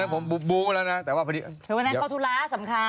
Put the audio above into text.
วันนั้นข้อธุระสำคัญ